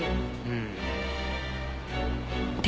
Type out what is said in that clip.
うん。